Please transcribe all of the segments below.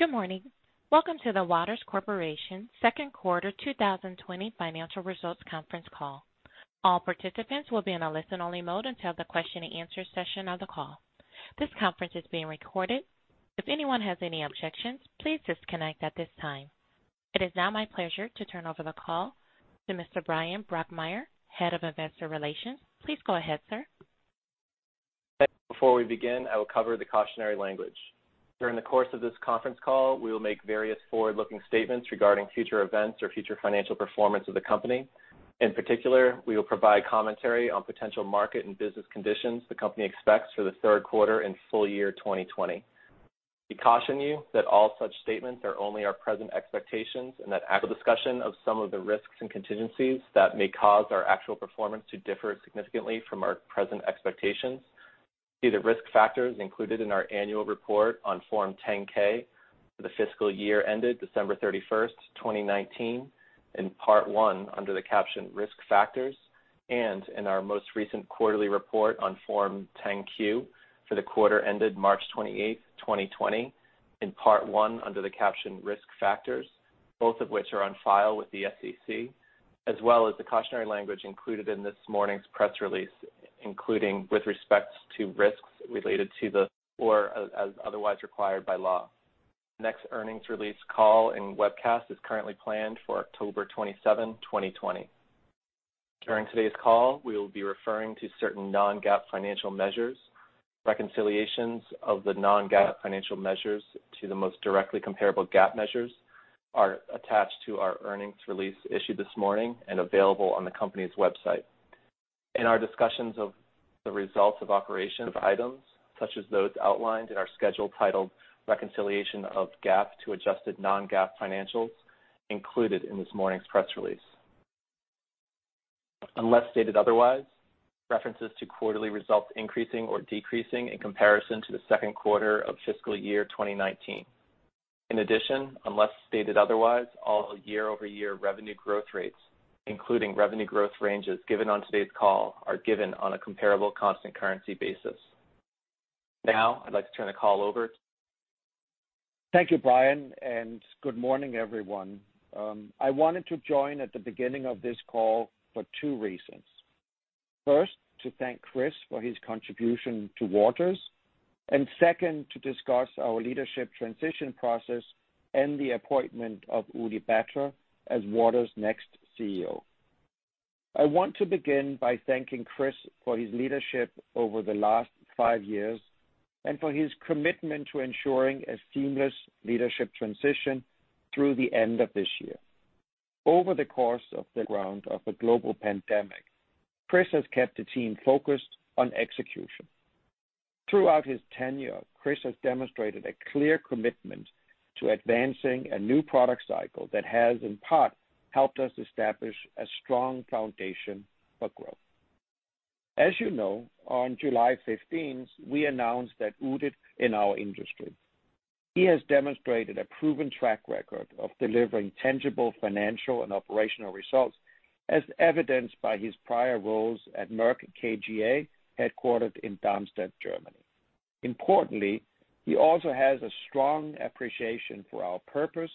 Good morning. Welcome to the Waters Corporation Second Quarter 2020 Financial Results Conference call. All participants will be in a listen-only mode until the question-and-answer session of the call. This conference is being recorded. If anyone has any objections, please disconnect at this time. It is now my pleasure to turn over the call to Mr. Bryan Brokmeier, Head of Investor Relations. Please go ahead, sir. Before we begin, I will cover the cautionary language. During the course of this conference call, we will make various forward-looking statements regarding future events or future financial performance of the company. In particular, we will provide commentary on potential market and business conditions the company expects for the third quarter and full year 2020. We caution you that all such statements are only our present expectations and that actual discussion of some of the risks and contingencies that may cause our actual performance to differ significantly from our present expectations. See the risk factors included in our annual report on Form 10-K for the fiscal year ended December 31st, 2019, in Part I under the caption Risk Factors, and in our most recent quarterly report on Form 10-Q for the quarter ended March 28th, 2020, in Part I under the caption Risk Factors, both of which are on file with the SEC, as well as the cautionary language included in this morning's press release, including with respect to risks related to the or as otherwise required by law. The next earnings release call and webcast is currently planned for October 27, 2020. During today's call, we will be referring to certain non-GAAP financial measures. Reconciliations of the non-GAAP financial measures to the most directly comparable GAAP measures are attached to our earnings release issued this morning and available on the company's website. In our discussions of the results of operations of items such as those outlined in our schedule titled Reconciliation of GAAP to Adjusted Non-GAAP Financials included in this morning's press release. Unless stated otherwise, references to quarterly results increasing or decreasing in comparison to the second quarter of fiscal year 2019. In addition, unless stated otherwise, all year-over-year revenue growth rates, including revenue growth ranges given on today's call, are given on a comparable constant currency basis. Now, I'd like to turn the call over. Thank you, Bryan, and good morning, everyone. I wanted to join at the beginning of this call for two reasons. First, to thank Chris for his contribution to Waters, and second, to discuss our leadership transition process and the appointment of Udit Batra as Waters' next CEO. I want to begin by thanking Chris for his leadership over the last five years and for his commitment to ensuring a seamless leadership transition through the end of this year. Over the course of the brunt of a global pandemic, Chris has kept the team focused on execution. Throughout his tenure, Chris has demonstrated a clear commitment to advancing a new product cycle that has, in part, helped us establish a strong foundation for growth. As you know, on July 15th, we announced that Udit in our industry. He has demonstrated a proven track record of delivering tangible financial and operational results, as evidenced by his prior roles at Merck KGaA, headquartered in Darmstadt, Germany. Importantly, he also has a strong appreciation for our purpose,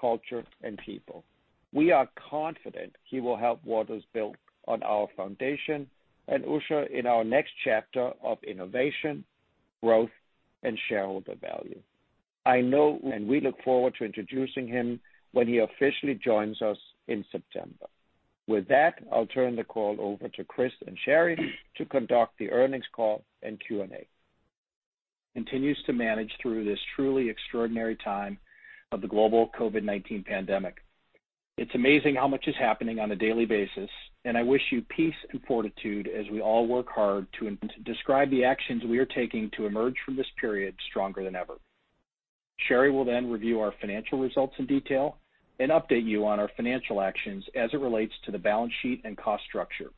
culture, and people. We are confident he will help Waters build on our foundation and usher in our next chapter of innovation, growth, and shareholder value. I know. And we look forward to introducing him when he officially joins us in September. With that, I'll turn the call over to Chris and Sherry to conduct the earnings call and Q&A. Continues to manage through this truly extraordinary time of the global COVID-19 pandemic. It's amazing how much is happening on a daily basis, and I wish you peace and fortitude as we all work hard to describe the actions we are taking to emerge from this period stronger than ever. Sherry will then review our financial results in detail and update you on our financial actions as it relates to the balance sheet and cost structure.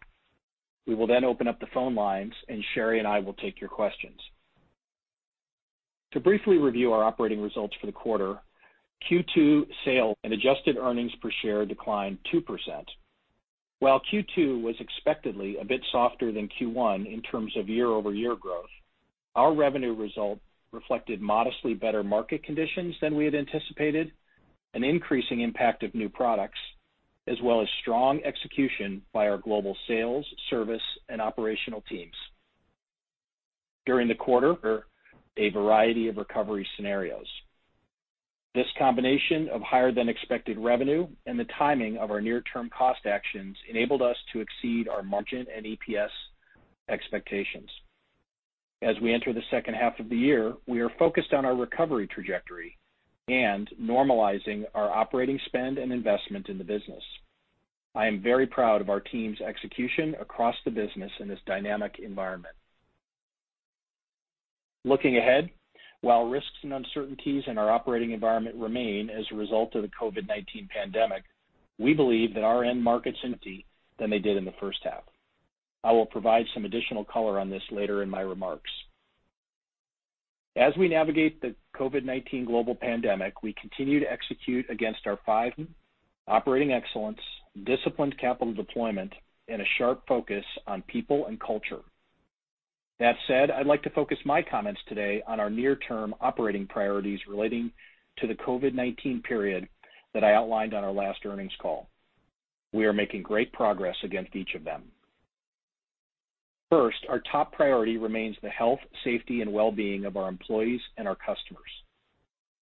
We will then open up the phone lines, and Sherry and I will take your questions. To briefly review our operating results for the quarter, Q2 sales and adjusted earnings per share declined 2%. While Q2 was expectedly a bit softer than Q1 in terms of year-over-year growth, our revenue result reflected modestly better market conditions than we had anticipated, an increasing impact of new products, as well as strong execution by our global sales, service, and operational teams. During the quarter, a variety of recovery scenarios. This combination of higher-than-expected revenue and the timing of our near-term cost actions enabled us to exceed our margin and EPS expectations. As we enter the second half of the year, we are focused on our recovery trajectory and normalizing our operating spend and investment in the business. I am very proud of our team's execution across the business in this dynamic environment. Looking ahead, while risks and uncertainties in our operating environment remain as a result of the COVID-19 pandemic, we believe that our end markets are healthier than they did in the first half. I will provide some additional color on this later in my remarks. As we navigate the COVID-19 global pandemic, we continue to execute against our five operating excellence, disciplined capital deployment, and a sharp focus on people and culture. That said, I'd like to focus my comments today on our near-term operating priorities relating to the COVID-19 period that I outlined on our last earnings call. We are making great progress against each of them. First, our top priority remains the health, safety, and well-being of our employees and our customers.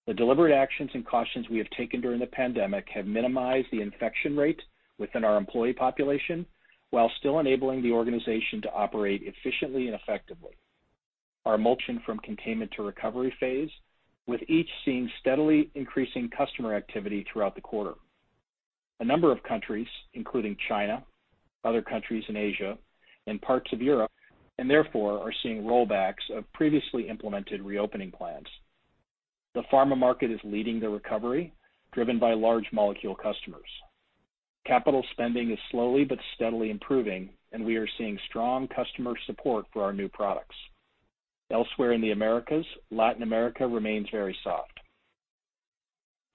The deliberate actions and cautions we have taken during the pandemic have minimized the infection rate within our employee population while still enabling the organization to operate efficiently and effectively. Our motion from containment to recovery phase, with each seeing steadily increasing customer activity throughout the quarter. A number of countries, including China, other countries in Asia, and parts of Europe, and therefore are seeing rollbacks of previously implemented reopening plans. The pharma market is leading the recovery, driven by large molecule customers. Capital spending is slowly but steadily improving, and we are seeing strong customer support for our new products. Elsewhere in the Americas, Latin America remains very soft.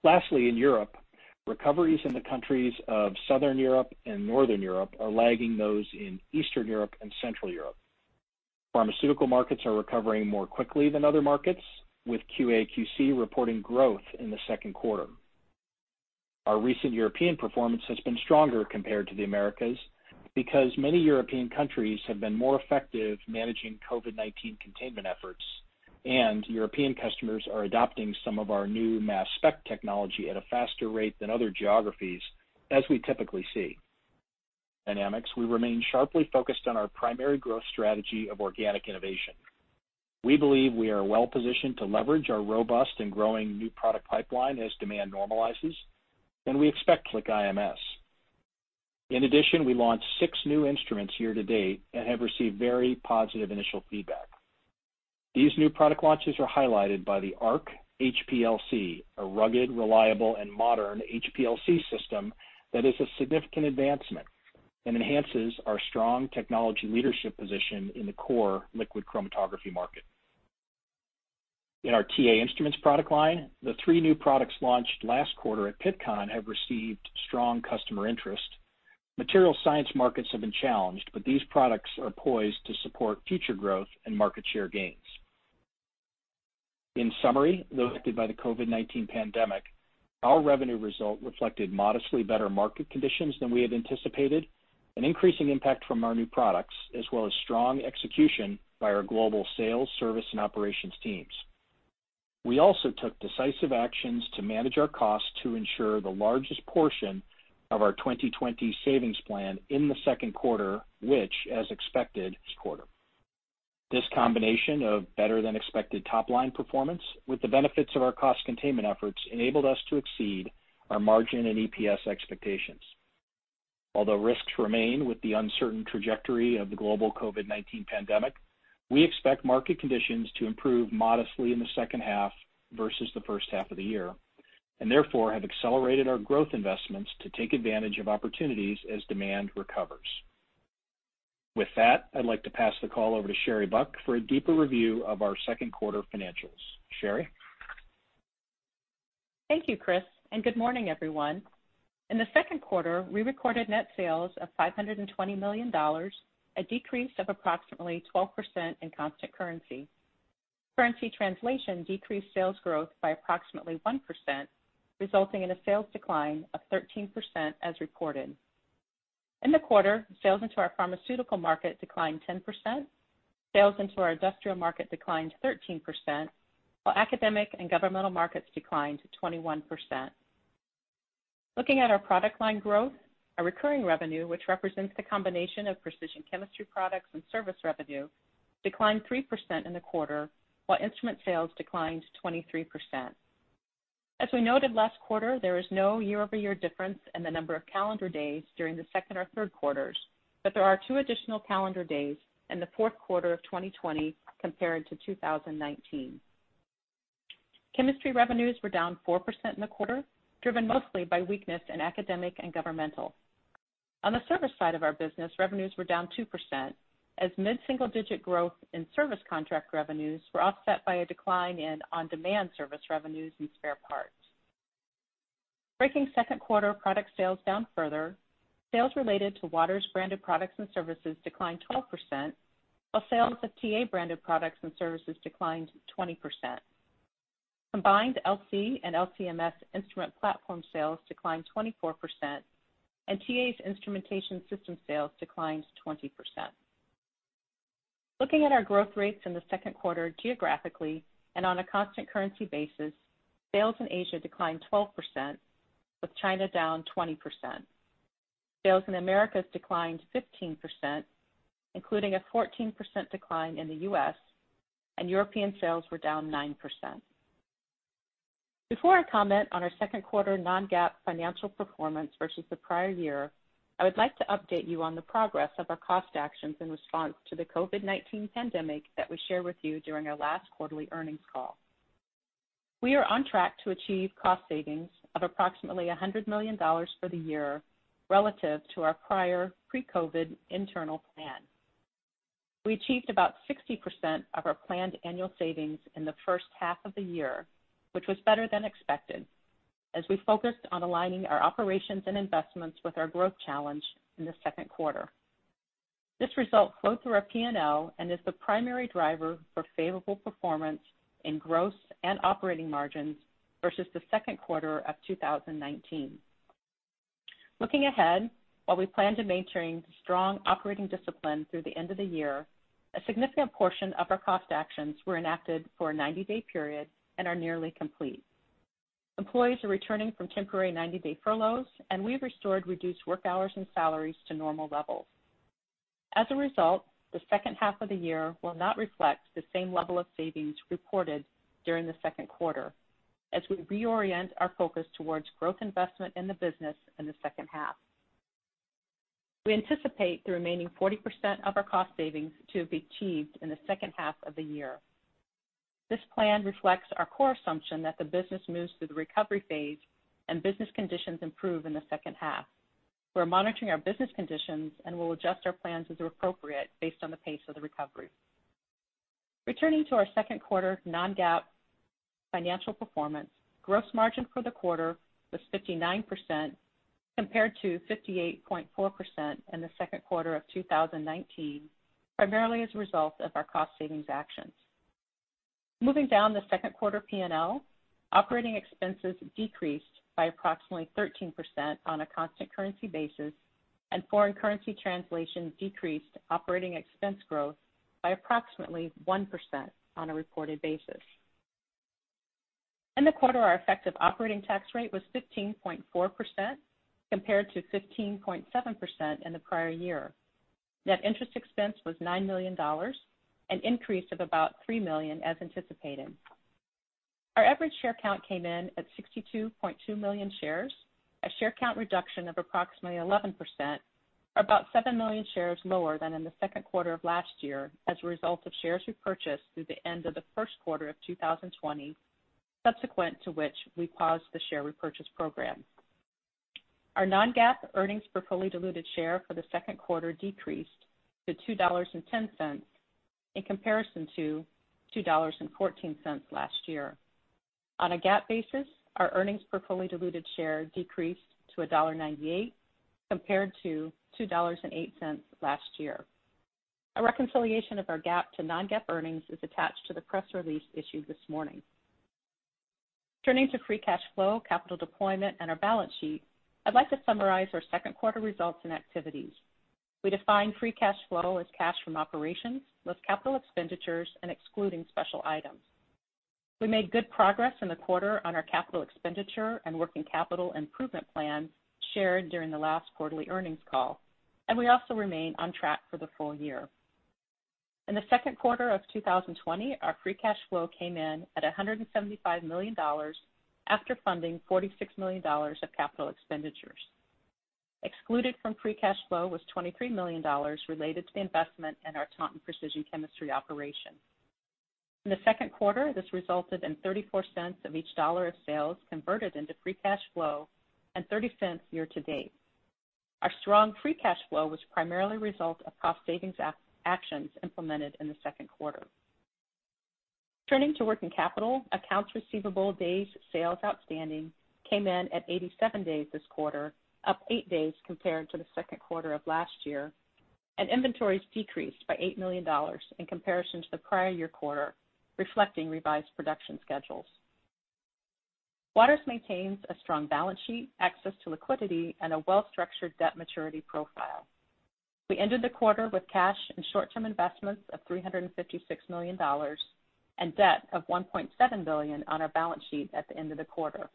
Lastly, in Europe, recoveries in the countries of Southern Europe and Northern Europe are lagging those in Eastern Europe and Central Europe. Pharmaceutical markets are recovering more quickly than other markets, with QA/QC reporting growth in the second quarter. Our recent European performance has been stronger compared to the Americas because many European countries have been more effective managing COVID-19 containment efforts, and European customers are adopting some of our new mass spec technology at a faster rate than other geographies, as we typically see. Dynamics, we remain sharply focused on our primary growth strategy of organic innovation. We believe we are well-positioned to leverage our robust and growing new product pipeline as demand normalizes, and we expect to Cyclic IMS. In addition, we launched six new instruments year to date and have received very positive initial feedback. These new product launches are highlighted by the Arc HPLC, a rugged, reliable, and modern HPLC system that is a significant advancement and enhances our strong technology leadership position in the core liquid chromatography market. In our TA Instruments product line, the three new products launched last quarter at Pittcon have received strong customer interest. Material science markets have been challenged, but these products are poised to support future growth and market share gains. In summary, though affected by the COVID-19 pandemic, our revenue result reflected modestly better market conditions than we had anticipated, an increasing impact from our new products, as well as strong execution by our global sales, service, and operations teams. We also took decisive actions to manage our costs to ensure the largest portion of our 2020 savings plan in the second quarter, which, as expected. This combination of better-than-expected top-line performance with the benefits of our cost containment efforts enabled us to exceed our margin and EPS expectations. Although risks remain with the uncertain trajectory of the global COVID-19 pandemic, we expect market conditions to improve modestly in the second half versus the first half of the year, and therefore have accelerated our growth investments to take advantage of opportunities as demand recovers. With that, I'd like to pass the call over to Sherry Buck for a deeper review of our second quarter financials. Sherry? Thank you, Chris, and good morning, everyone. In the second quarter, we recorded net sales of $520 million, a decrease of approximately 12% in constant currency. Currency translation decreased sales growth by approximately 1%, resulting in a sales decline of 13% as reported. In the quarter, sales into our pharmaceutical market declined 10%. Sales into our industrial market declined 13%, while academic and governmental markets declined 21%. Looking at our product line growth, our recurring revenue, which represents the combination of precision chemistry products and service revenue, declined 3% in the quarter, while instrument sales declined 23%. As we noted last quarter, there is no year-over-year difference in the number of calendar days during the second or third quarters, but there are two additional calendar days in the fourth quarter of 2020 compared to 2019. Chemistry revenues were down 4% in the quarter, driven mostly by weakness in academic and governmental. On the service side of our business, revenues were down 2%, as mid-single-digit growth in service contract revenues were offset by a decline in on-demand service revenues and spare parts. Breaking second quarter product sales down further, sales related to Waters branded products and services declined 12%, while sales of TA branded products and services declined 20%. Combined LC and LC-MS instrument platform sales declined 24%, and TA's instrumentation system sales declined 20%. Looking at our growth rates in the second quarter geographically and on a constant currency basis, sales in Asia declined 12%, with China down 20%. Sales in the Americas declined 15%, including a 14% decline in the US, and sales in Europe were down 9%. Before I comment on our second quarter non-GAAP financial performance versus the prior year, I would like to update you on the progress of our cost actions in response to the COVID-19 pandemic that we shared with you during our last quarterly earnings call. We are on track to achieve cost savings of approximately $100 million for the year relative to our prior pre-COVID internal plan. We achieved about 60% of our planned annual savings in the first half of the year, which was better than expected, as we focused on aligning our operations and investments with our growth challenge in the second quarter. This result flowed through our P&L and is the primary driver for favorable performance in gross and operating margins versus the second quarter of 2019. Looking ahead, while we plan to maintain strong operating discipline through the end of the year, a significant portion of our cost actions were enacted for a 90-day period and are nearly complete. Employees are returning from temporary 90-day furloughs, and we've restored reduced work hours and salaries to normal levels. As a result, the second half of the year will not reflect the same level of savings reported during the second quarter, as we reorient our focus towards growth investment in the business in the second half. We anticipate the remaining 40% of our cost savings to be achieved in the second half of the year. This plan reflects our core assumption that the business moves through the recovery phase and business conditions improve in the second half. We're monitoring our business conditions and will adjust our plans as appropriate based on the pace of the recovery. Returning to our second quarter non-GAAP financial performance, gross margin for the quarter was 59% compared to 58.4% in the second quarter of 2019, primarily as a result of our cost savings actions. Moving down the second quarter P&L, operating expenses decreased by approximately 13% on a constant currency basis, and foreign currency translation decreased operating expense growth by approximately 1% on a reported basis. In the quarter, our effective operating tax rate was 15.4% compared to 15.7% in the prior year. Net interest expense was $9 million, an increase of about $3 million as anticipated. Our average share count came in at 62.2 million shares, a share count reduction of approximately 11%, or about 7 million shares lower than in the second quarter of last year as a result of shares repurchased through the end of the first quarter of 2020, subsequent to which we paused the share repurchase program. Our non-GAAP earnings per fully diluted share for the second quarter decreased to $2.10 in comparison to $2.14 last year. On a GAAP basis, our earnings per fully diluted share decreased to $1.98 compared to $2.08 last year. A reconciliation of our GAAP to non-GAAP earnings is attached to the press release issued this morning. Turning to free cash flow, capital deployment, and our balance sheet, I'd like to summarize our second quarter results and activities. We defined free cash flow as cash from operations, with capital expenditures and excluding special items. We made good progress in the quarter on our capital expenditure and working capital improvement plan shared during the last quarterly earnings call, and we also remain on track for the full year. In the second quarter of 2020, our free cash flow came in at $175 million after funding $46 million of capital expenditures. Excluded from free cash flow was $23 million related to the investment in our Taunton precision chemistry operation. In the second quarter, this resulted in 34 cents of each dollar of sales converted into free cash flow and 30 cents year to date. Our strong free cash flow was primarily a result of cost savings actions implemented in the second quarter. Turning to working capital, accounts receivable days sales outstanding came in at 87 days this quarter, up eight days compared to the second quarter of last year, and inventories decreased by $8 million in comparison to the prior year quarter, reflecting revised production schedules. Waters maintains a strong balance sheet, access to liquidity, and a well-structured debt maturity profile. We ended the quarter with cash and short-term investments of $356 million and debt of $1.7 billion on our balance sheet at the end of the quarter.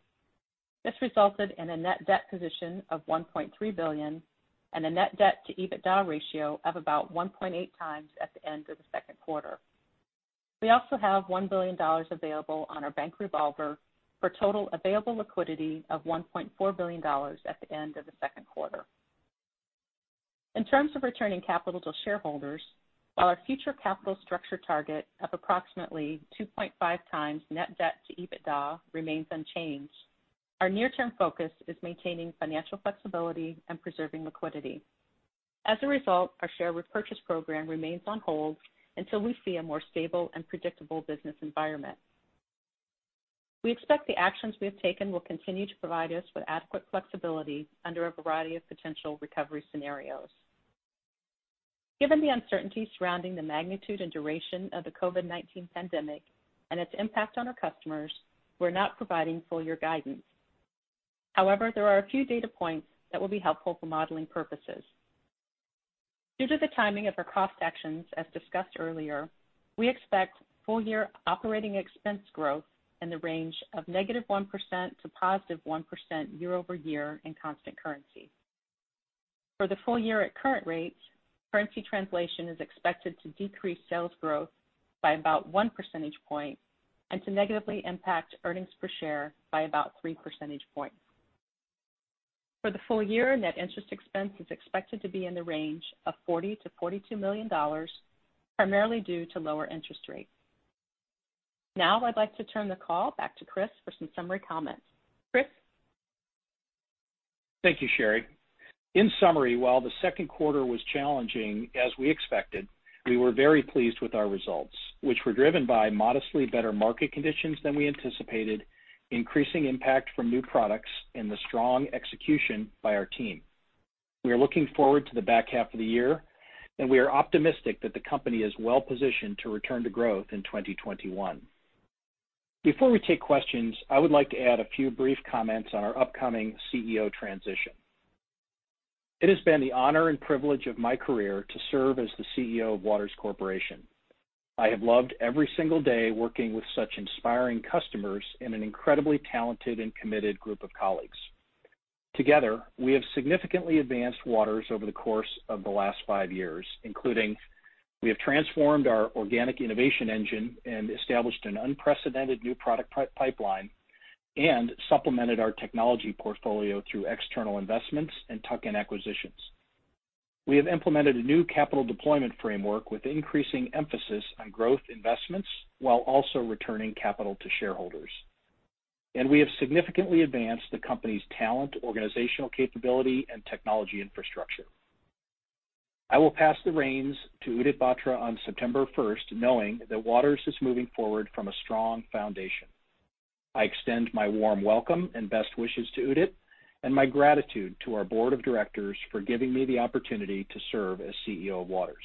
This resulted in a net debt position of $1.3 billion and a net debt to EBITDA ratio of about 1.8 times at the end of the second quarter. We also have $1 billion available on our bank revolver for total available liquidity of $1.4 billion at the end of the second quarter. In terms of returning capital to shareholders, while our future capital structure target of approximately 2.5 times net debt to EBITDA remains unchanged, our near-term focus is maintaining financial flexibility and preserving liquidity. As a result, our share repurchase program remains on hold until we see a more stable and predictable business environment. We expect the actions we have taken will continue to provide us with adequate flexibility under a variety of potential recovery scenarios. Given the uncertainty surrounding the magnitude and duration of the COVID-19 pandemic and its impact on our customers, we're not providing full-year guidance. However, there are a few data points that will be helpful for modeling purposes. Due to the timing of our cost actions, as discussed earlier, we expect full-year operating expense growth in the range of negative 1% to positive 1% year-over-year in constant currency. For the full year at current rates, currency translation is expected to decrease sales growth by about 1 percentage point and to negatively impact earnings per share by about 3 percentage points. For the full year, net interest expense is expected to be in the range of $40-$42 million, primarily due to lower interest rates. Now, I'd like to turn the call back to Chris for some summary comments. Chris? Thank you, Sherry. In summary, while the second quarter was challenging, as we expected, we were very pleased with our results, which were driven by modestly better market conditions than we anticipated, increasing impact from new products, and the strong execution by our team. We are looking forward to the back half of the year, and we are optimistic that the company is well-positioned to return to growth in 2021. Before we take questions, I would like to add a few brief comments on our upcoming CEO transition. It has been the honor and privilege of my career to serve as the CEO of Waters Corporation. I have loved every single day working with such inspiring customers and an incredibly talented and committed group of colleagues. Together, we have significantly advanced Waters over the course of the last five years, including we have transformed our organic innovation engine and established an unprecedented new product pipeline and supplemented our technology portfolio through external investments and tuck-in acquisitions. We have implemented a new capital deployment framework with increasing emphasis on growth investments while also returning capital to shareholders. And we have significantly advanced the company's talent, organizational capability, and technology infrastructure. I will pass the reins to Udit Batra on September 1st, knowing that Waters is moving forward from a strong foundation. I extend my warm welcome and best wishes to Udit and my gratitude to our board of directors for giving me the opportunity to serve as CEO of Waters.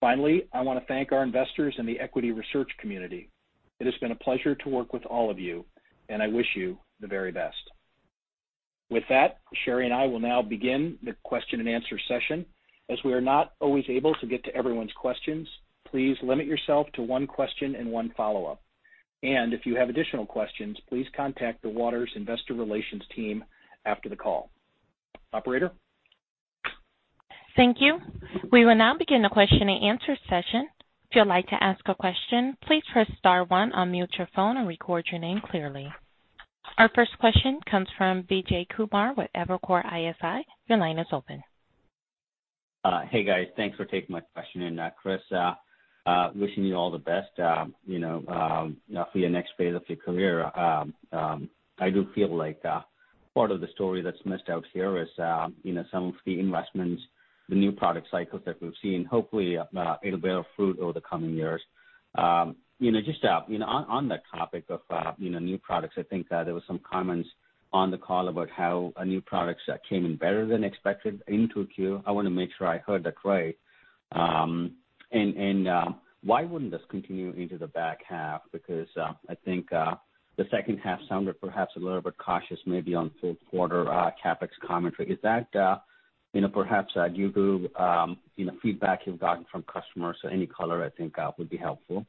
Finally, I want to thank our investors and the equity research community. It has been a pleasure to work with all of you, and I wish you the very best. With that, Sherry and I will now begin the question and answer session. As we are not always able to get to everyone's questions, please limit yourself to one question and one follow-up. And if you have additional questions, please contact the Waters Investor Relations team after the call. Operator? Thank you. We will now begin the question and answer session. If you'd like to ask a question, please press star one, unmute your phone and record your name clearly. Our first question comes from Vijay Kumar with Evercore ISI. Your line is open. Hey, guys. Thanks for taking my question in, Chris. Wishing you all the best for your next phase of your career. I do feel like part of the story that's missed out here is some of the investments, the new product cycles that we've seen, hopefully it'll bear fruit over the coming years. Just on that topic of new products, I think there were some comments on the call about how new products came in better than expected into Q. I want to make sure I heard that right. And why wouldn't this continue into the back half? Because I think the second half sounded perhaps a little bit cautious, maybe on fourth quarter CapEx commentary. Is that perhaps due to feedback you've gotten from customers? Any color, I think, would be helpful.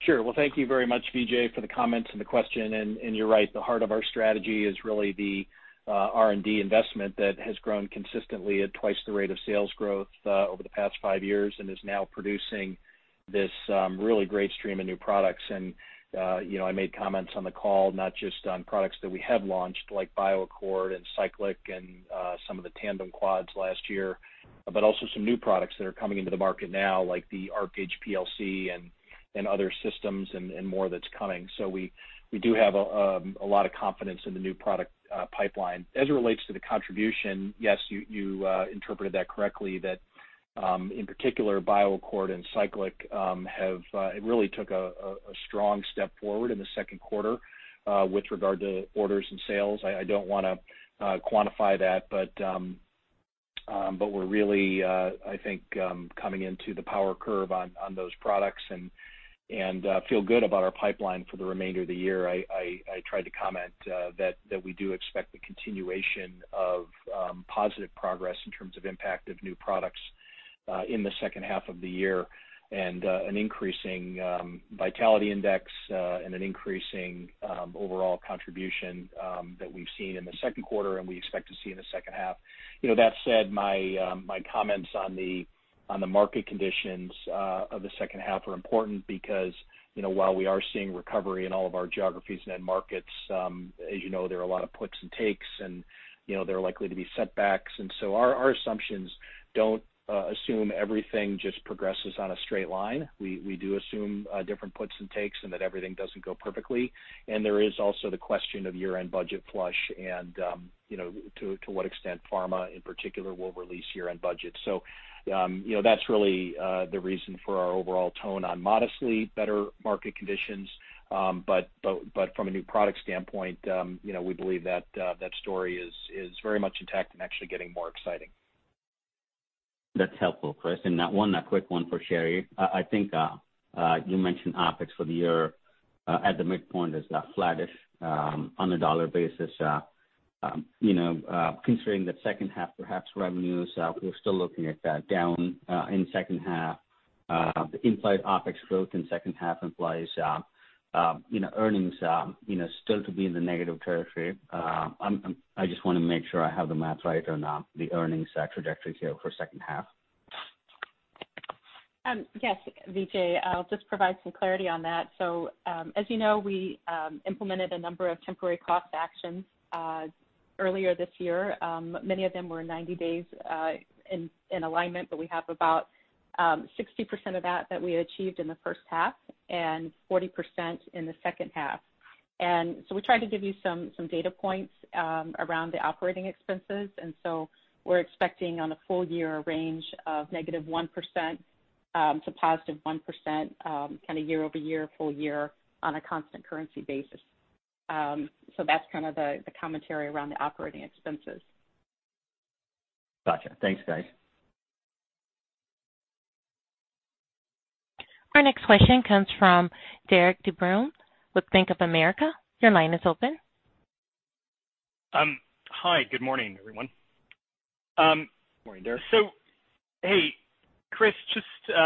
Sure. Well, thank you very much, Vijay, for the comments and the question. And you're right. The heart of our strategy is really the R&D investment that has grown consistently at twice the rate of sales growth over the past five years and is now producing this really great stream of new products. And I made comments on the call, not just on products that we have launched, like BioAccord and Cyclic and some of the Tandem Quads last year, but also some new products that are coming into the market now, like the Arc HPLC and other systems and more that's coming. So we do have a lot of confidence in the new product pipeline. As it relates to the contribution, yes, you interpreted that correctly, that in particular, BioAccord and Cyclic have really took a strong step forward in the second quarter with regard to orders and sales. I don't want to quantify that, but we're really, I think, coming into the power curve on those products and feel good about our pipeline for the remainder of the year. I tried to comment that we do expect the continuation of positive progress in terms of impact of new products in the second half of the year and an increasing vitality index and an increasing overall contribution that we've seen in the second quarter and we expect to see in the second half. That said, my comments on the market conditions of the second half are important because while we are seeing recovery in all of our geographies and end markets, as you know, there are a lot of puts and takes, and there are likely to be setbacks, and so our assumptions don't assume everything just progresses on a straight line. We do assume different puts and takes and that everything doesn't go perfectly. And there is also the question of year-end budget flush and to what extent pharma in particular will release year-end budgets. So that's really the reason for our overall tone on modestly better market conditions. But from a new product standpoint, we believe that story is very much intact and actually getting more exciting. That's helpful, Chris, and one quick one for Sherry. I think you mentioned OpEx for the year at the midpoint is flatish on a dollar basis. Considering the second half, perhaps revenues, we're still looking at that down in the second half. The implied OpEx growth in the second half implies earnings still to be in the negative territory. I just want to make sure I have the math right or not, the earnings trajectory here for the second half? Yes, Vijay, I'll just provide some clarity on that. So as you know, we implemented a number of temporary cost actions earlier this year. Many of them were 90 days in alignment, but we have about 60% of that that we achieved in the first half and 40% in the second half. And so we tried to give you some data points around the operating expenses. And so we're expecting on a full-year range of negative 1% to positive 1% kind of year-over-year, full year on a constant currency basis. So that's kind of the commentary around the operating expenses. Gotcha. Thanks, guys. Our next question comes from Derik de Bruin with Bank of America. Your line is open. Hi. Good morning, everyone. Good morning, Derik. So, hey, Chris, just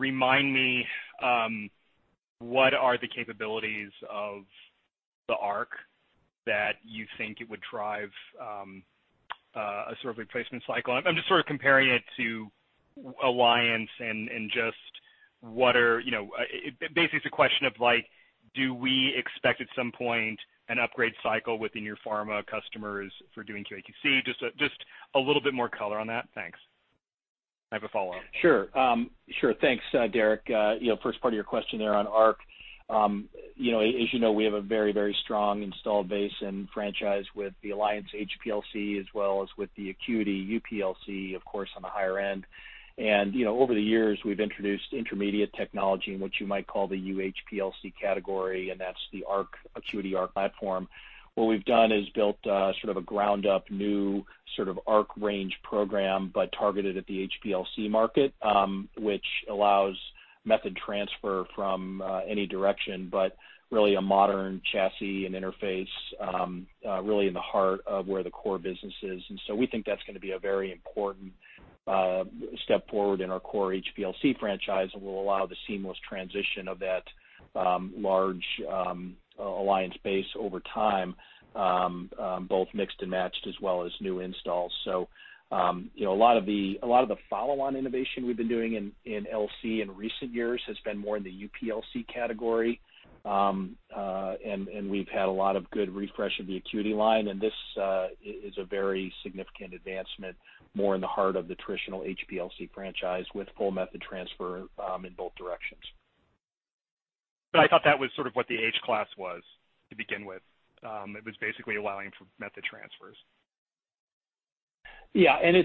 remind me what are the capabilities of the Arc that you think it would drive a sort of replacement cycle? I'm just sort of comparing it to Alliance and just what are basically it's a question of, do we expect at some point an upgrade cycle within your pharma customers for doing QA/QC? Just a little bit more color on that. Thanks. I have a follow-up. Sure. Sure. Thanks, Derik. First part of your question there on Arc, as you know, we have a very, very strong installed base and franchise with the Alliance HPLC as well as with the ACQUITY UPLC, of course, on the higher end. And over the years, we've introduced intermediate technology in what you might call the UHPLC category, and that's the ACQUITY Arc platform. What we've done is built sort of a ground-up new sort of Arc range program, but targeted at the HPLC market, which allows method transfer from any direction, but really a modern chassis and interface really in the heart of where the core business is. And so we think that's going to be a very important step forward in our core HPLC franchise and will allow the seamless transition of that large Alliance base over time, both mixed and matched as well as new installs. So a lot of the follow-on innovation we've been doing in LC in recent years has been more in the UPLC category. And we've had a lot of good refresh of the ACQUITY line. And this is a very significant advancement more in the heart of the traditional HPLC franchise with full method transfer in both directions. But I thought that was sort of what the H-Class was to begin with. It was basically allowing for method transfers. Yeah. And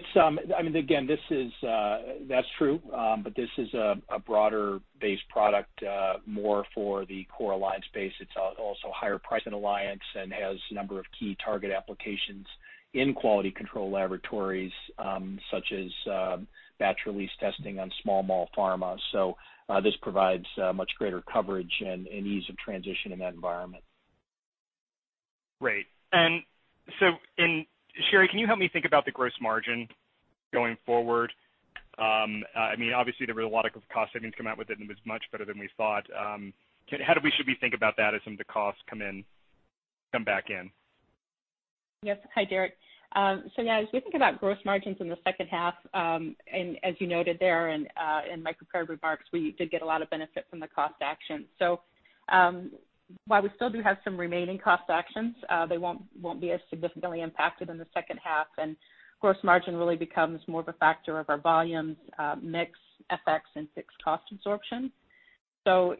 I mean, again, that's true, but this is a broader-based product more for the core Alliance base. It's also higher priced than Alliance and has a number of key target applications in quality control laboratories such as batch release testing on small and mid pharma. So this provides much greater coverage and ease of transition in that environment. Right. And so, Sherry, can you help me think about the gross margin going forward? I mean, obviously, there was a lot of cost savings come out with it, and it was much better than we thought. How should we think about that as some of the costs come back in? Yes. Hi, Derik. So, yeah, as we think about gross margins in the second half, and as you noted there in our priority markets, we did get a lot of benefit from the cost actions. So while we still do have some remaining cost actions, they won't be as significantly impacted in the second half, and gross margin really becomes more of a factor of our volumes, mixed FX, and fixed cost absorption. So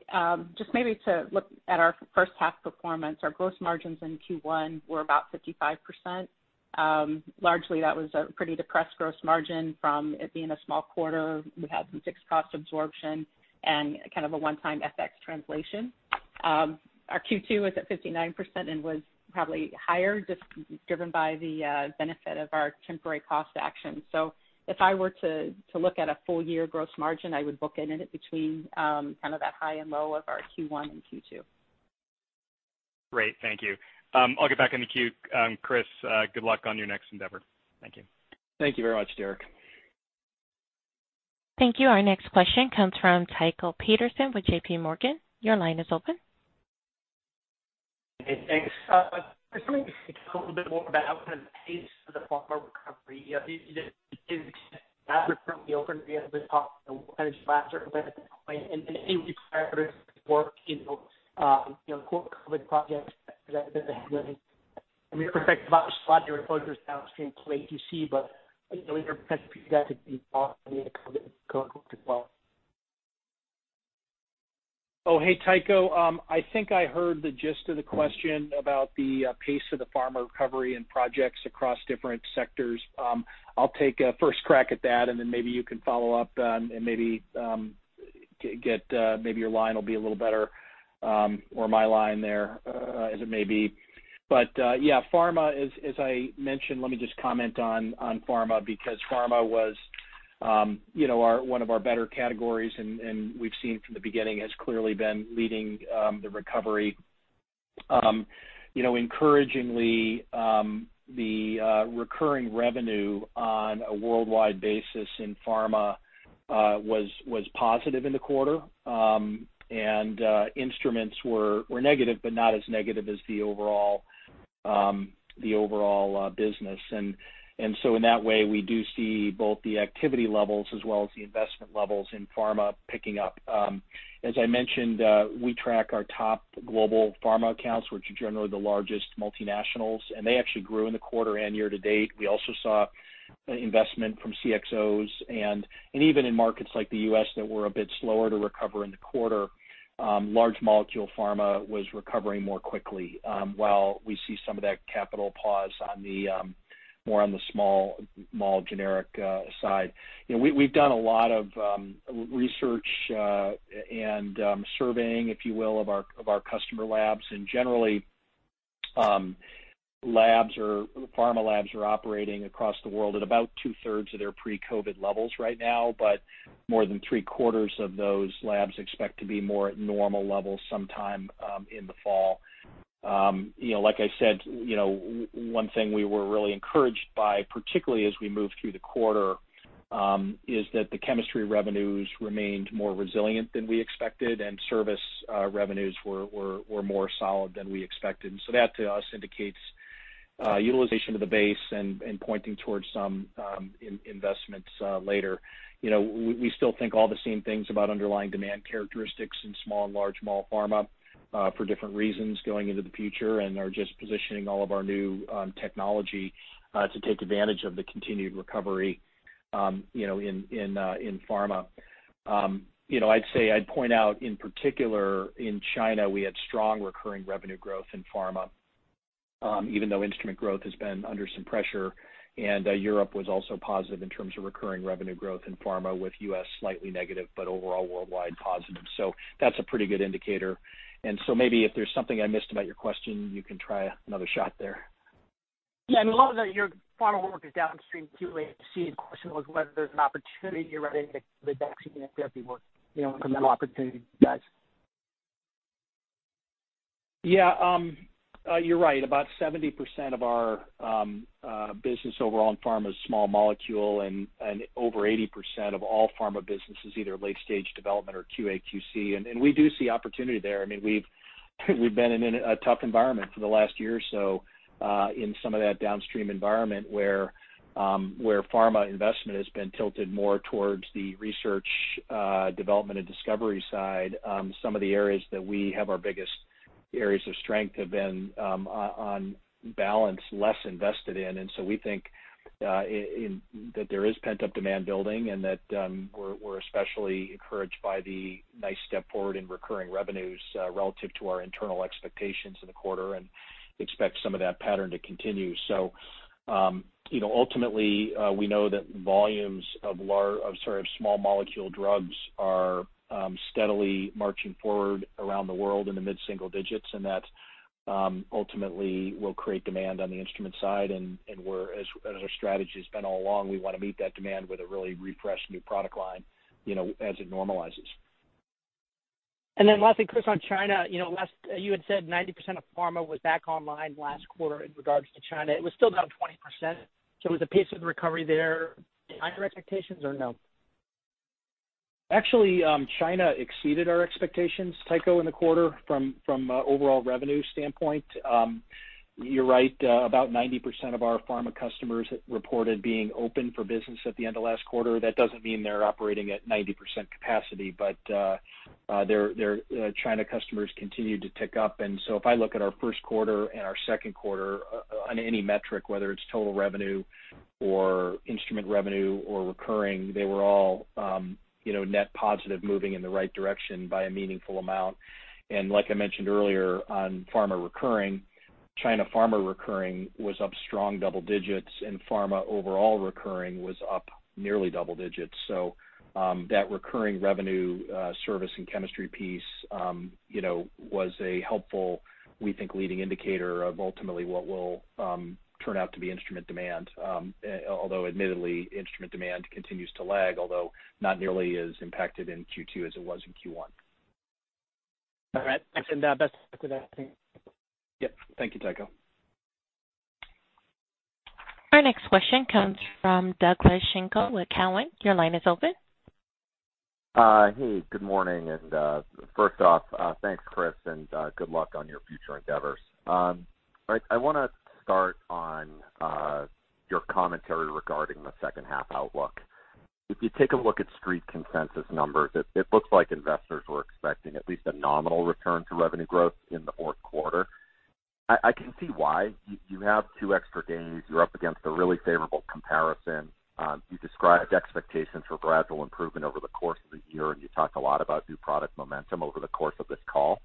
just maybe to look at our first half performance, our gross margins in Q1 were about 55%. Largely, that was a pretty depressed gross margin from it being a small quarter. We had some fixed cost absorption and kind of a one-time FX translation. Our Q2 was at 59% and was probably higher just driven by the benefit of our temporary cost action. So if I were to look at a full-year gross margin, I would book in it between kind of that high and low of our Q1 and Q2. Great. Thank you. I'll get back in the queue. Chris, good luck on your next endeavor. Thank you. Thank you very much, Derik. Thank you. Our next question comes from Tycho Peterson with J.P. Morgan. Your line is open. Hey, thanks. Just wanted to talk a little bit more about kind of the pace of the pharma recovery. Is that report be open to be able to talk about what kind of last year a bit at this point? And in any case, prior to this report, the core COVID projects that they had within their perspective about sliding your exposures downstream to QA/QC, but in your perspective, you guys have been following the COVID curve as well. Oh, hey, Tycho. I think I heard the gist of the question about the pace of the pharma recovery and projects across different sectors. I'll take a first crack at that, and then maybe you can follow up and maybe get your line will be a little better or my line there as it may be. But yeah, pharma, as I mentioned, let me just comment on pharma because pharma was one of our better categories and we've seen from the beginning has clearly been leading the recovery. Encouragingly, the recurring revenue on a worldwide basis in pharma was positive in the quarter, and instruments were negative, but not as negative as the overall business. And so in that way, we do see both the activity levels as well as the investment levels in pharma picking up. As I mentioned, we track our top global pharma accounts, which are generally the largest multinationals, and they actually grew in the quarter and year to date. We also saw investment from CXOs, and even in markets like the U.S. that were a bit slower to recover in the quarter, large molecule pharma was recovering more quickly while we see some of that capital pause more on the small molecule generic side. We've done a lot of research and surveying, if you will, of our customer labs, and generally, pharma labs are operating across the world at about two-thirds of their pre-COVID levels right now, but more than three-quarters of those labs expect to be more at normal levels sometime in the fall. Like I said, one thing we were really encouraged by, particularly as we moved through the quarter, is that the chemistry revenues remained more resilient than we expected, and service revenues were more solid than we expected, and so that to us indicates utilization of the base and pointing towards some investments later. We still think all the same things about underlying demand characteristics in small and large molecule pharma for different reasons going into the future and are just positioning all of our new technology to take advantage of the continued recovery in pharma. I'd say I'd point out in particular, in China, we had strong recurring revenue growth in pharma, even though instrument growth has been under some pressure, and Europe was also positive in terms of recurring revenue growth in pharma with U.S. slightly negative, but overall worldwide positive, so that's a pretty good indicator. And so maybe if there's something I missed about your question, you can try another shot there. Yeah. And a lot of your pharma work is downstream to QA/QC. The question was whether there's an opportunity around any of the COVID vaccine and therapy work, incremental opportunity for you guys. Yeah. You're right. About 70% of our business overall in pharma is small molecule, and over 80% of all pharma business is either late-stage development or QA/QC. And we do see opportunity there. I mean, we've been in a tough environment for the last year or so in some of that downstream environment where pharma investment has been tilted more towards the research, development, and discovery side. Some of the areas that we have our biggest areas of strength have been on balance less invested in. And so we think that there is pent-up demand building and that we're especially encouraged by the nice step forward in recurring revenues relative to our internal expectations in the quarter and expect some of that pattern to continue. So ultimately, we know that volumes of sort of small molecule drugs are steadily marching forward around the world in the mid-single digits, and that ultimately will create demand on the instrument side. And as our strategy has been all along, we want to meet that demand with a really refreshed new product line as it normalizes. And then lastly, Chris, on China, you had said 90% of pharma was back online last quarter in regards to China. It was still down 20%. So was the pace of the recovery there behind your expectations or no? Actually, China exceeded our expectations, Tycho, in the quarter from an overall revenue standpoint. You're right. About 90% of our pharma customers reported being open for business at the end of last quarter. That doesn't mean they're operating at 90% capacity, but their China customers continued to tick up. And so if I look at our first quarter and our second quarter on any metric, whether it's total revenue or instrument revenue or recurring, they were all net positive, moving in the right direction by a meaningful amount. And like I mentioned earlier on pharma recurring, China pharma recurring was up strong double digits, and pharma overall recurring was up nearly double digits. So that recurring revenue, service, and chemistry piece was a helpful, we think, leading indicator of ultimately what will turn out to be instrument demand, although admittedly, instrument demand continues to lag, although not nearly as impacted in Q2 as it was in Q1. All right. Thanks, and best of luck with that. Yep. Thank you, Tycho. Our next question comes from Doug Schenkel with Cowen. Your line is open. Hey, good morning. And first off, thanks, Chris, and good luck on your future endeavors. I want to start on your commentary regarding the second half outlook. If you take a look at street consensus numbers, it looks like investors were expecting at least a nominal return to revenue growth in the fourth quarter. I can see why. You have two extra days. You're up against a really favorable comparison. You described expectations for gradual improvement over the course of the year, and you talked a lot about new product momentum over the course of this call.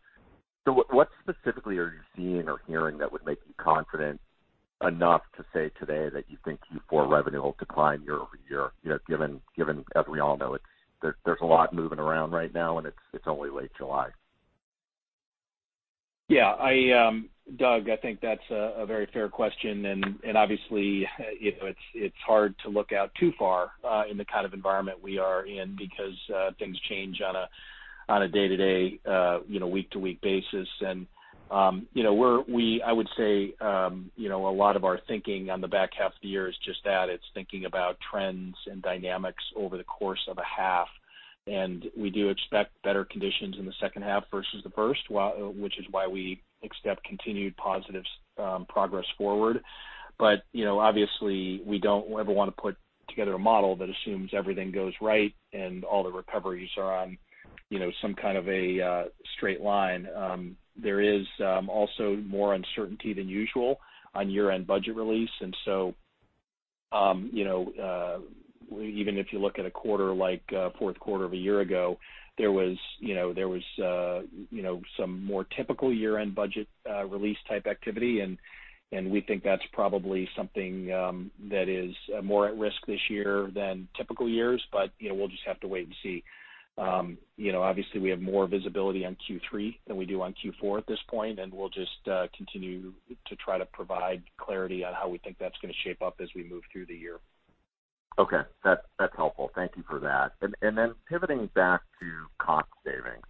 So what specifically are you seeing or hearing that would make you confident enough to say today that you think Q4 revenue will decline year-over-year, given, as we all know, there's a lot moving around right now and it's only late July? Yeah. Doug, I think that's a very fair question, and obviously, it's hard to look out too far in the kind of environment we are in because things change on a day-to-day, week-to-week basis, and I would say a lot of our thinking on the back half of the year is just that. It's thinking about trends and dynamics over the course of a half, and we do expect better conditions in the second half versus the first, which is why we expect continued positive progress forward, but obviously, we don't ever want to put together a model that assumes everything goes right and all the recoveries are on some kind of a straight line. There is also more uncertainty than usual on year-end budget release. Even if you look at a quarter like fourth quarter of a year ago, there was some more typical year-end budget release type activity. We think that's probably something that is more at risk this year than typical years, but we'll just have to wait and see. Obviously, we have more visibility on Q3 than we do on Q4 at this point, and we'll just continue to try to provide clarity on how we think that's going to shape up as we move through the year. Okay. That's helpful. Thank you for that. And then, pivoting back to cost savings.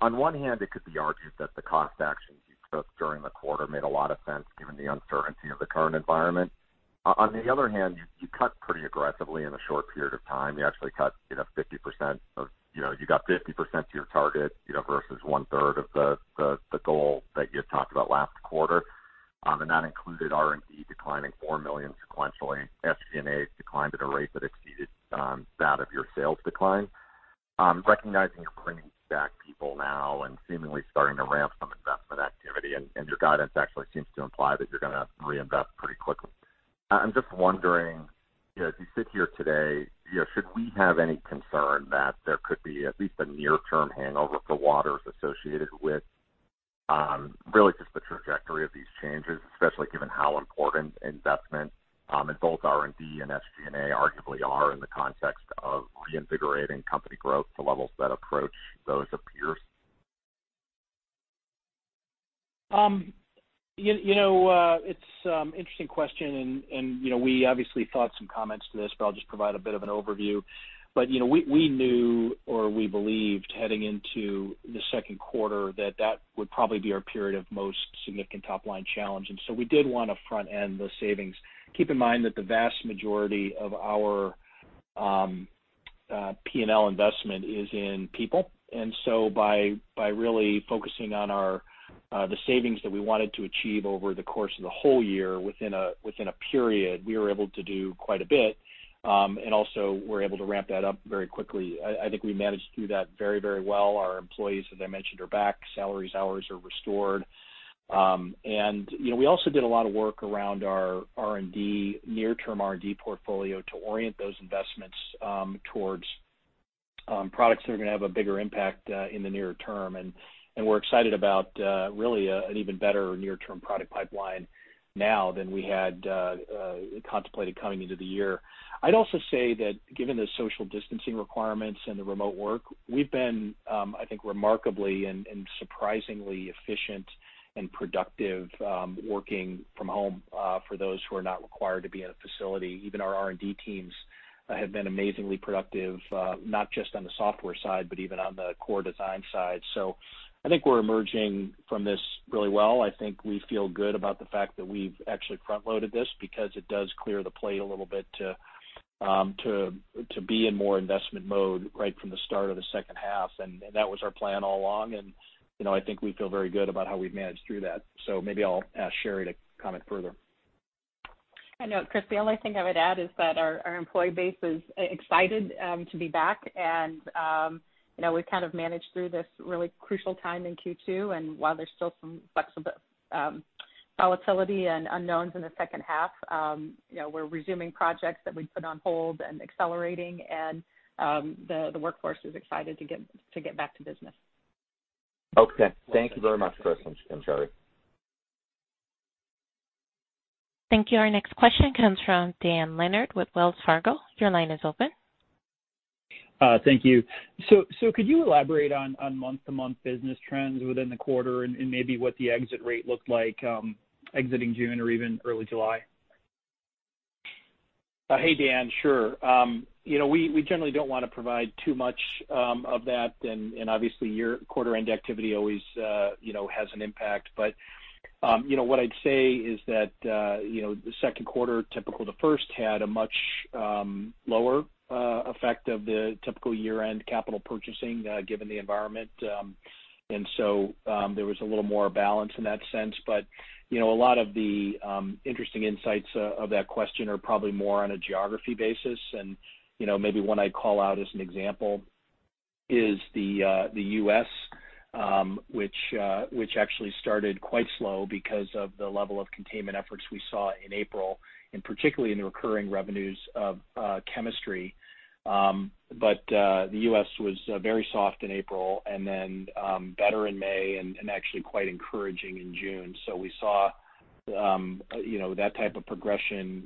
On one hand, it could be argued that the cost actions you took during the quarter made a lot of sense given the uncertainty of the current environment. On the other hand, you cut pretty aggressively in a short period of time. You actually cut 50%. You got 50% to your target versus one-third of the goal that you had talked about last quarter. And that included R&D declining $4 million sequentially. SG&A declined at a rate that exceeded that of your sales decline. Recognizing you're bringing back people now and seemingly starting to ramp some investment activity, and your guidance actually seems to imply that you're going to reinvest pretty quickly. I'm just wondering, as you sit here today, should we have any concern that there could be at least a near-term hangover for Waters associated with really just the trajectory of these changes, especially given how important investment in both R&D and SG&A arguably are in the context of reinvigorating company growth to levels that approach those of peers? It's an interesting question, and we obviously thought some comments to this, but I'll just provide a bit of an overview. We knew or we believed heading into the second quarter that that would probably be our period of most significant top-line challenge. And so we did want to front-end the savings. Keep in mind that the vast majority of our P&L investment is in people. And so by really focusing on the savings that we wanted to achieve over the course of the whole year within a period, we were able to do quite a bit. And also, we're able to ramp that up very quickly. I think we managed to do that very, very well. Our employees, as I mentioned, are back. Salaries, hours are restored. We also did a lot of work around our near-term R&D portfolio to orient those investments towards products that are going to have a bigger impact in the near term. We're excited about really an even better near-term product pipeline now than we had contemplated coming into the year. I'd also say that given the social distancing requirements and the remote work, we've been, I think, remarkably and surprisingly efficient and productive working from home for those who are not required to be in a facility. Even our R&D teams have been amazingly productive, not just on the software side, but even on the core design side. I think we're emerging from this really well. I think we feel good about the fact that we've actually front-loaded this because it does clear the plate a little bit to be in more investment mode right from the start of the second half. And that was our plan all along. And I think we feel very good about how we've managed through that. So maybe I'll ask Sherry to comment further. Chris, the only thing I would add is that our employee base is excited to be back. We've kind of managed through this really crucial time in Q2. While there's still some volatility and unknowns in the second half, we're resuming projects that we've put on hold and accelerating. The workforce is excited to get back to business. Okay. Thank you very much, Chris and Sherry. Thank you. Our next question comes from Dan Leonard with Wells Fargo. Your line is open. Thank you. So could you elaborate on month-to-month business trends within the quarter and maybe what the exit rate looked like exiting June or even early July? Hey, Dan. Sure. We generally don't want to provide too much of that, and obviously, your quarter-end activity always has an impact, but what I'd say is that the second quarter, typical to first, had a much lower effect of the typical year-end capital purchasing given the environment, and so there was a little more balance in that sense, but a lot of the interesting insights of that question are probably more on a geography basis, and maybe one I'd call out as an example is the U.S., which actually started quite slow because of the level of containment efforts we saw in April, and particularly in the recurring revenues of chemistry, but the U.S. was very soft in April and then better in May and actually quite encouraging in June. So we saw that type of progression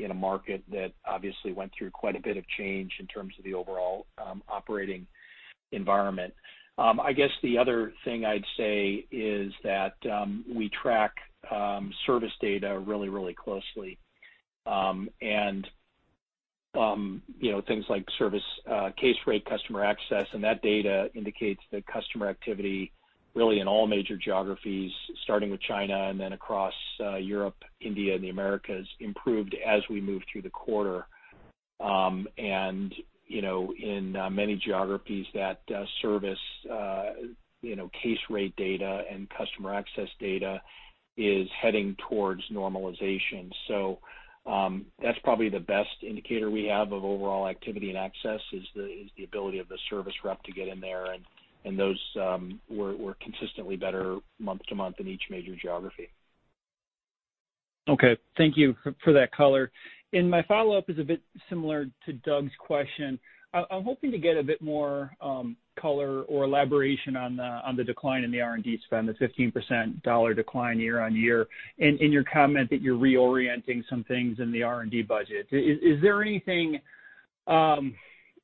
in a market that obviously went through quite a bit of change in terms of the overall operating environment. I guess the other thing I'd say is that we track service data really, really closely. And things like service case rate, customer access, and that data indicates that customer activity really in all major geographies, starting with China and then across Europe, India, and the Americas, improved as we move through the quarter. And in many geographies, that service case rate data and customer access data is heading towards normalization. So that's probably the best indicator we have of overall activity and access is the ability of the service rep to get in there. And those were consistently better month-to-month in each major geography. Okay. Thank you for that color. And my follow-up is a bit similar to Doug's question. I'm hoping to get a bit more color or elaboration on the decline in the R&D spend, the 15% decline year-on-year, and your comment that you're reorienting some things in the R&D budget. Is there anything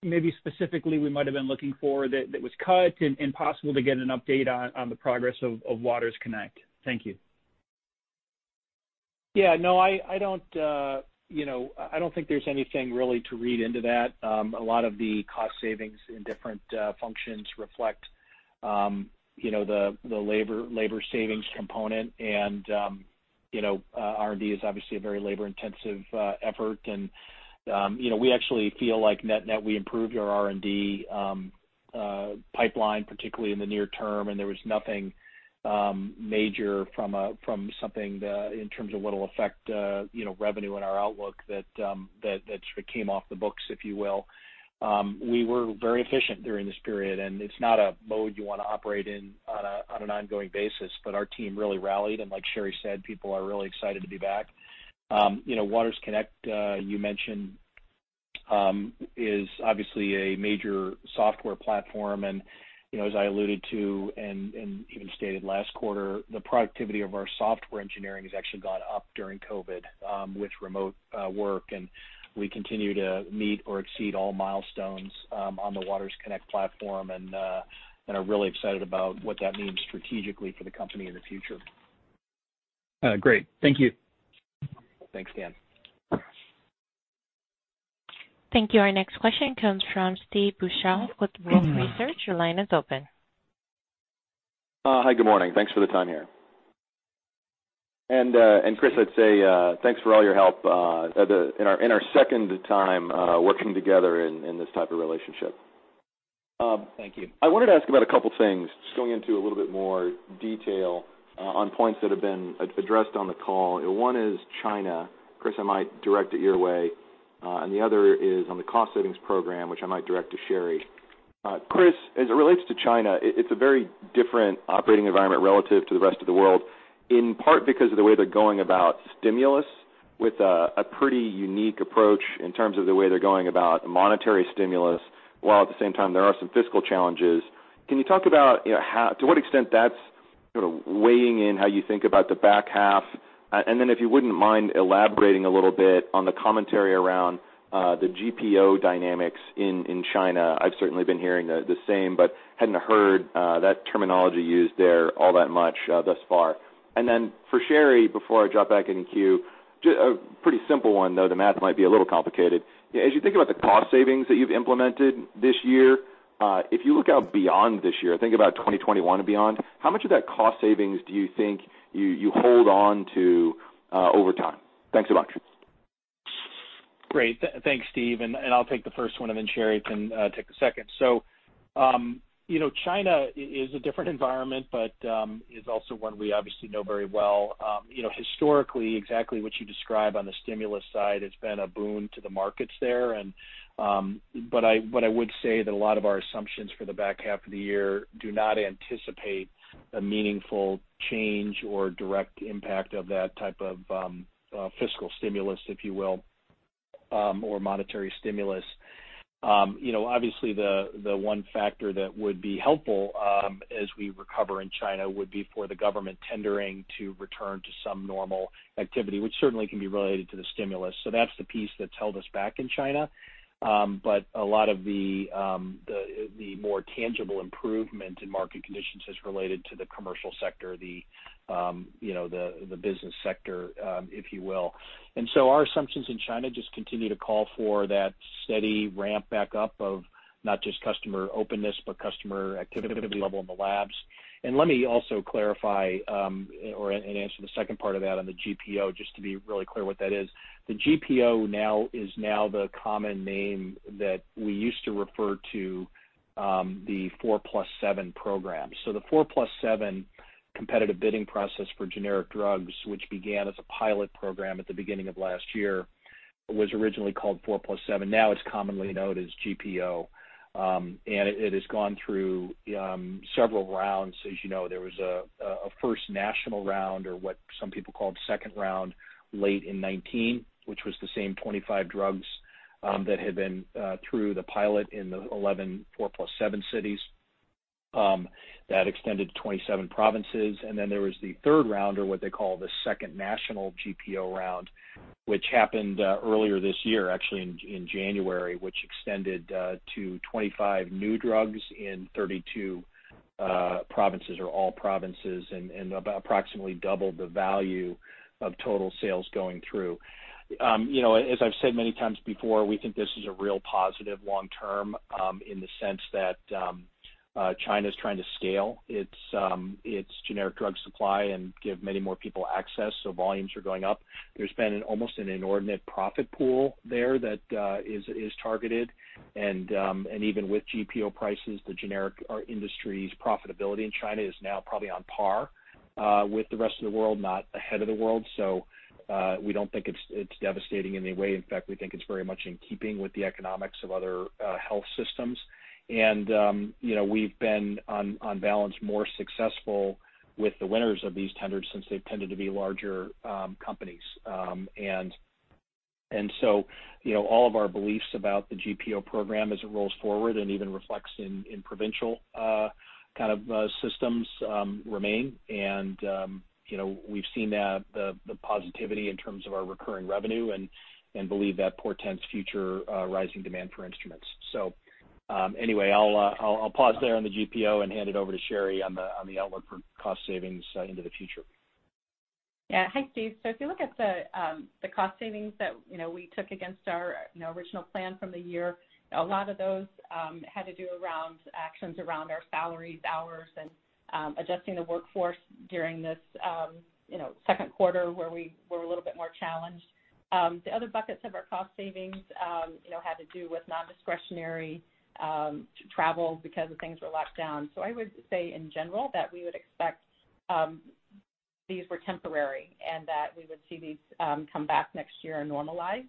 maybe specifically we might have been looking for that was cut and possible to get an update on the progress of Waters Connect? Thank you. Yeah. No, I don't think there's anything really to read into that. A lot of the cost savings in different functions reflect the labor savings component. And R&D is obviously a very labor-intensive effort. And we actually feel like net-net we improved our R&D pipeline, particularly in the near term. And there was nothing major from something in terms of what will affect revenue and our outlook that sort of came off the books, if you will. We were very efficient during this period. And it's not a mode you want to operate in on an ongoing basis. But our team really rallied. And like Sherry said, people are really excited to be back. Waters Connect, you mentioned, is obviously a major software platform. And as I alluded to and even stated last quarter, the productivity of our software engineering has actually gone up during COVID with remote work. We continue to meet or exceed all milestones on the Waters Connect platform and are really excited about what that means strategically for the company in the future. Great. Thank you. Thanks, Dan. Thank you. Our next question comes from Steve Beuchaw with Wolfe Research. Your line is open. Hi, good morning. Thanks for the time here, and Chris, I'd say thanks for all your help in our second time working together in this type of relationship. Thank you. I wanted to ask about a couple of things, just going into a little bit more detail on points that have been addressed on the call. One is China. Chris, I might direct it your way. And the other is on the cost savings program, which I might direct to Sherry. Chris, as it relates to China, it's a very different operating environment relative to the rest of the world, in part because of the way they're going about stimulus with a pretty unique approach in terms of the way they're going about monetary stimulus, while at the same time, there are some fiscal challenges. Can you talk about to what extent that's sort of weighing in how you think about the back half? And then if you wouldn't mind elaborating a little bit on the commentary around the GPO dynamics in China. I've certainly been hearing the same, but hadn't heard that terminology used there all that much thus far. And then for Sherry, before I drop back in queue, a pretty simple one, though the math might be a little complicated. As you think about the cost savings that you've implemented this year, if you look out beyond this year, think about 2021 and beyond, how much of that cost savings do you think you hold on to over time? Thanks so much. Great. Thanks, Steve. And I'll take the first one. And then Sherry can take the second. So China is a different environment, but it's also one we obviously know very well. Historically, exactly what you describe on the stimulus side has been a boon to the markets there. But I would say that a lot of our assumptions for the back half of the year do not anticipate a meaningful change or direct impact of that type of fiscal stimulus, if you will, or monetary stimulus. Obviously, the one factor that would be helpful as we recover in China would be for the government tendering to return to some normal activity, which certainly can be related to the stimulus. So that's the piece that's held us back in China. A lot of the more tangible improvement in market conditions has related to the commercial sector, the business sector, if you will. And so our assumptions in China just continue to call for that steady ramp back up of not just customer openness, but customer activity level in the labs. And let me also clarify and answer the second part of that on the GPO, just to be really clear what that is. The GPO now is the common name that we used to refer to the 4+7 program. So the 4+7 competitive bidding process for generic drugs, which began as a pilot program at the beginning of last year, was originally called 4+7. Now it's commonly known as GPO. And it has gone through several rounds. As you know, there was a first national round or what some people called second round late in 2019, which was the same 25 drugs that had been through the pilot in the 11 4+7 cities. That extended to 27 provinces, and then there was the third round or what they call the second national GPO round, which happened earlier this year, actually in January, which extended to 25 new drugs in 32 provinces or all provinces and approximately doubled the value of total sales going through. As I've said many times before, we think this is a real positive long-term in the sense that China is trying to scale its generic drug supply and give many more people access, so volumes are going up. There's been almost an inordinate profit pool there that is targeted. And even with GPO prices, the generic industry's profitability in China is now probably on par with the rest of the world, not ahead of the world. So we don't think it's devastating in any way. In fact, we think it's very much in keeping with the economics of other health systems. And we've been on balance more successful with the winners of these tenders since they've tended to be larger companies. And so all of our beliefs about the GPO program as it rolls forward and even reflects in provincial kind of systems remain. And we've seen the positivity in terms of our recurring revenue and believe that portends future rising demand for instruments. So anyway, I'll pause there on the GPO and hand it over to Sherry on the outlook for cost savings into the future. Yeah. Hi, Steve, so if you look at the cost savings that we took against our original plan from the year, a lot of those had to do around actions around our salaries, hours, and adjusting the workforce during this second quarter where we were a little bit more challenged. The other buckets of our cost savings had to do with nondiscretionary travel because things were locked down, so I would say in general that we would expect these were temporary and that we would see these come back next year and normalize.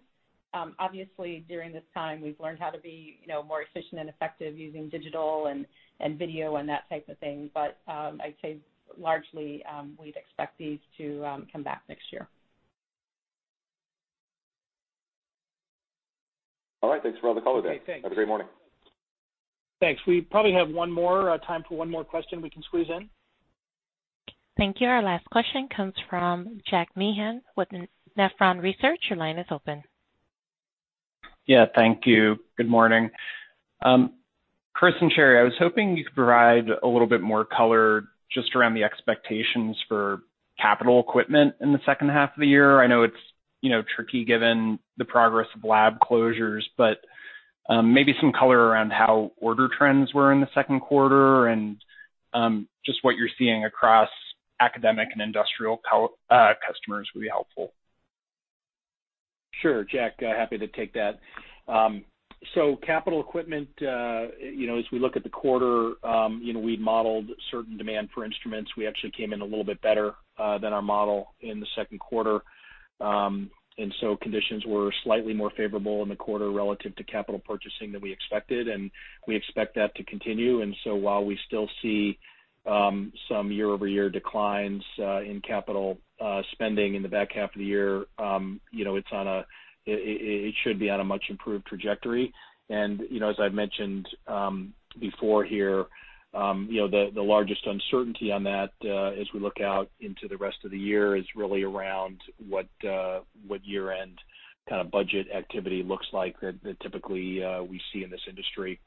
Obviously, during this time, we've learned how to be more efficient and effective using digital and video and that type of thing, but I'd say largely we'd expect these to come back next year. All right. Thanks for all the call today. Thanks. Have a great morning. Thanks. We probably have one more time for one more question we can squeeze in. Thank you. Our last question comes from Jack Meehan with Nephron Research. Your line is open. Yeah. Thank you. Good morning. Chris and Sherry, I was hoping you could provide a little bit more color just around the expectations for capital equipment in the second half of the year. I know it's tricky given the progress of lab closures, but maybe some color around how order trends were in the second quarter and just what you're seeing across academic and industrial customers would be helpful. Sure. Jack, happy to take that. So capital equipment, as we look at the quarter, we modeled certain demand for instruments. We actually came in a little bit better than our model in the second quarter. And so conditions were slightly more favorable in the quarter relative to capital purchasing that we expected. And we expect that to continue. And so while we still see some year-over-year declines in capital spending in the back half of the year, it should be on a much improved trajectory. And as I've mentioned before here, the largest uncertainty on that as we look out into the rest of the year is really around what year-end kind of budget activity looks like that typically we see in this industry.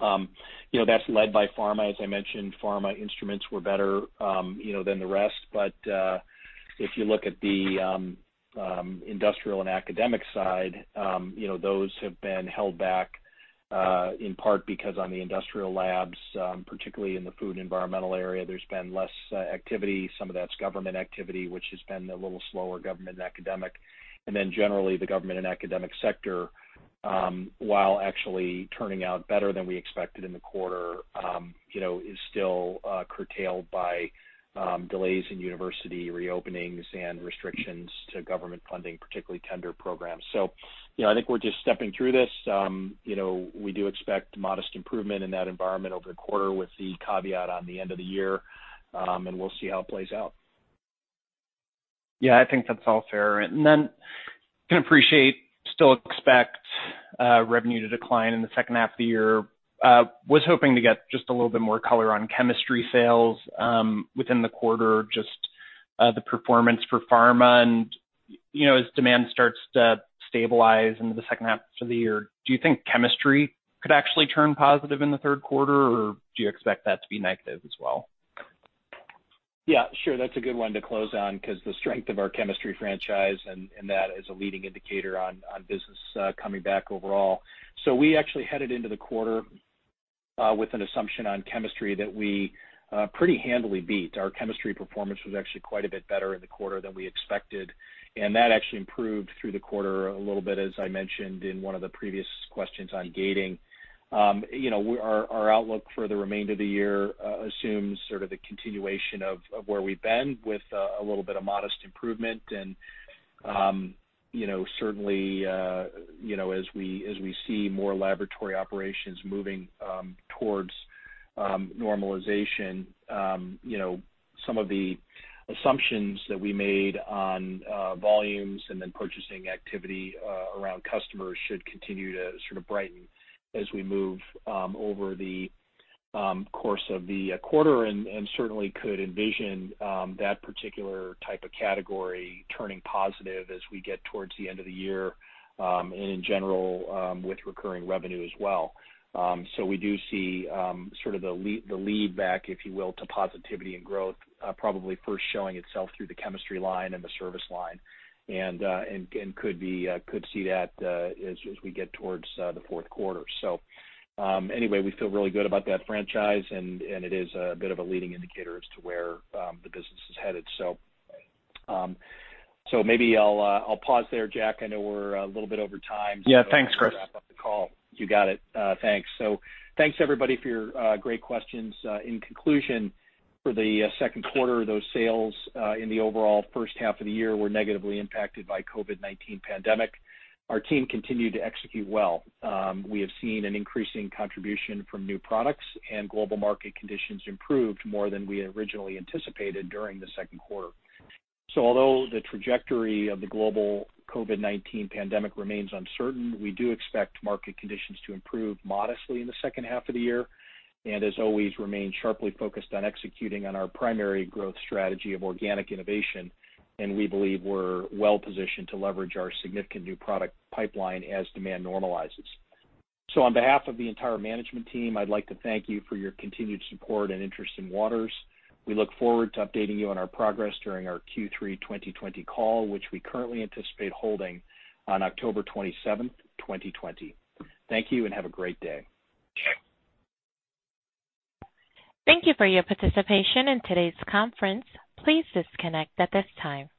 That's led by pharma, as I mentioned. Pharma instruments were better than the rest. But if you look at the industrial and academic side, those have been held back in part because on the industrial labs, particularly in the food and environmental area, there's been less activity. Some of that's government activity, which has been a little slower, government and academic. And then generally, the government and academic sector, while actually turning out better than we expected in the quarter, is still curtailed by delays in university reopenings and restrictions to government funding, particularly tender programs. So I think we're just stepping through this. We do expect modest improvement in that environment over the quarter with the caveat on the end of the year. And we'll see how it plays out. Yeah. I think that's all fair. I can appreciate that you still expect revenue to decline in the second half of the year. I was hoping to get just a little bit more color on chemistry sales within the quarter, just the performance for pharma. As demand starts to stabilize into the second half of the year, do you think chemistry could actually turn positive in the third quarter, or do you expect that to be negative as well? Yeah. Sure. That's a good one to close on because the strength of our chemistry franchise, and that as a leading indicator on business coming back overall, so we actually headed into the quarter with an assumption on chemistry that we pretty handily beat. Our chemistry performance was actually quite a bit better in the quarter than we expected, and that actually improved through the quarter a little bit, as I mentioned in one of the previous questions on gating. Our outlook for the remainder of the year assumes sort of the continuation of where we've been with a little bit of modest improvement, and certainly, as we see more laboratory operations moving towards normalization, some of the assumptions that we made on volumes and then purchasing activity around customers should continue to sort of brighten as we move over the course of the quarter. And certainly could envision that particular type of category turning positive as we get towards the end of the year and in general with recurring revenue as well. So we do see sort of the lead back, if you will, to positivity and growth, probably first showing itself through the chemistry line and the service line. And could see that as we get towards the fourth quarter. So anyway, we feel really good about that franchise. And it is a bit of a leading indicator as to where the business is headed. So maybe I'll pause there, Jack. I know we're a little bit over time. Yeah. Thanks, Chris. Before we wrap up the call. You got it. Thanks. So thanks, everybody, for your great questions. In conclusion, for the second quarter, those sales in the overall first half of the year were negatively impacted by COVID-19 pandemic. Our team continued to execute well. We have seen an increasing contribution from new products and global market conditions improved more than we originally anticipated during the second quarter. So although the trajectory of the global COVID-19 pandemic remains uncertain, we do expect market conditions to improve modestly in the second half of the year and, as always, remain sharply focused on executing on our primary growth strategy of organic innovation. And we believe we're well positioned to leverage our significant new product pipeline as demand normalizes. So on behalf of the entire management team, I'd like to thank you for your continued support and interest in Waters. We look forward to updating you on our progress during our Q3 2020 call, which we currently anticipate holding on October 27, 2020. Thank you and have a great day. Thank you for your participation in today's conference. Please disconnect at this time.